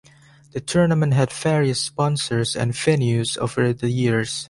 The tournament had various sponsors and venues over the years.